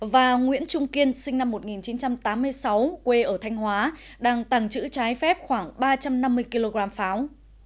và nguyễn trung kiên sinh năm một nghìn chín trăm tám mươi sáu quê ở thanh hóa đang tàng trữ trái phép khoảng ba trăm năm mươi kg pháo